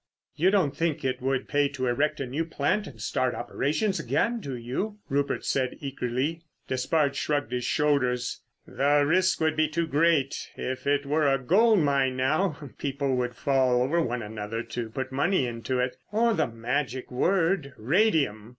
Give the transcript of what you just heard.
"You don't think it would pay to erect a new plant and start operations again, do you?" Rupert said eagerly. Despard shrugged his shoulders. "The risk would be too great. If it were a gold mine, now, people would fall over one another to put money into it. Or the magic word, radium!"